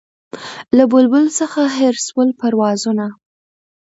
له بلبله څخه هېر سول پروازونه